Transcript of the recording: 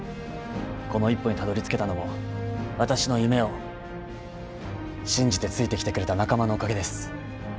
この一歩にたどりつけたのも私の夢を信じてついてきてくれた仲間のおかげです。